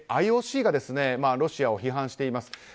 ＩＯＣがロシアを批判しています。